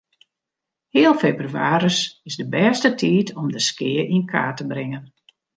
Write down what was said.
Heal febrewaris is de bêste tiid om de skea yn kaart te bringen.